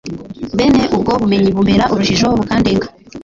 Bene ubwo bumenyi bumbera urujijo bukandenga